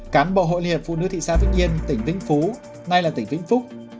cán bộ hội liên phụ nữ thị xã vĩnh yên tỉnh vĩnh phú nay là tỉnh vĩnh phúc